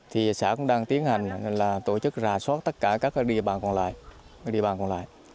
thì xã cũng đang tiến hành là tổ chức rà soát tất cả các địa bàn còn lại